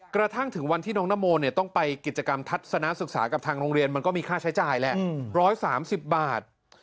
กระทั่งถึงวันที่น้องนโมต้องไปกิจกรรมทัศนะศึกษากับทางโรงเรียนมันก็มีค่าใช้จ่ายแหละ๑๓๐บาท